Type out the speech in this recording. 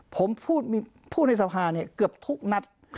ผมพูดในสภาเนี่ยเกือบทุกนัด